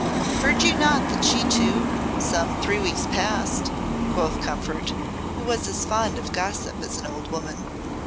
"Heard you not that she too some three weeks past ?" quoth Comfort, who was as fond of gossip as an old woman.